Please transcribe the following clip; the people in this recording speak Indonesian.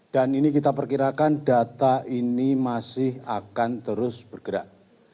dan ini kita perkirakan data ini masih akan terus bergerak